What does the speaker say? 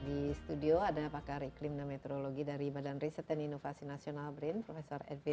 di studio ada pakar iklim dan meteorologi dari badan riset dan inovasi nasional brin prof edwin